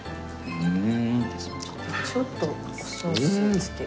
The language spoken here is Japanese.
うん！